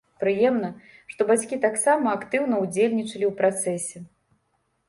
Прыемна, што бацькі таксама актыўна ўдзельнічалі ў працэсе.